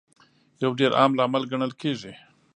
یو ډېر عام لامل ګڼل کیږي